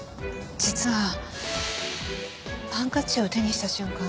実はハンカチを手にした瞬間